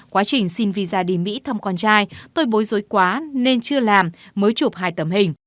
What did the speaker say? quá trình xin visa đi mỹ thăm con trai tôi bối dối quá nên chưa làm mới chụp hai tấm hình